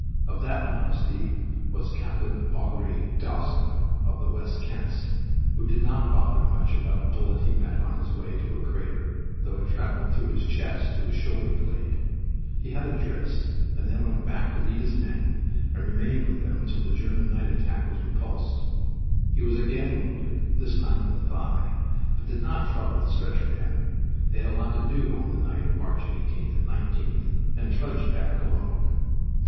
Of that modesty was Capt. Augrere Dawson, of the West Kents, who did not bother much about a bullet he met on his way to a crater, though it traveled through his chest to his shoulder blade. He had it dressed, and then went back to lead his men, and remained with them until the German night attack was repulsed. He was again wounded, this time in the thigh, but did not trouble the stretcher men (they had a lot to do on the night of March 18th and 19th), and trudged back alone.